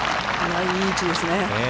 いい位置ですね。